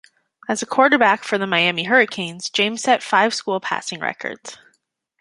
As a quarterback for the Miami Hurricanes, James set five school passing records.